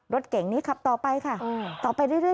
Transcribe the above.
รถเก่งนี้ขับต่อไปค่ะต่อไปเรื่อย